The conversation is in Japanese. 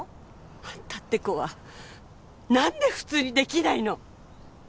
あんたって子はなんで普通にできないの！？